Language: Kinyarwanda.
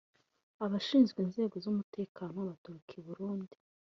Abashinzwe inzego z’ umutekano baturuka i Burundi